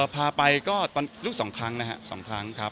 พาไปก็ตอนนี้สองครั้งนะครับ